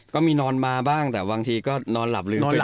นอนมาบ้างแต่บางทีก็นอนหลับลืมไป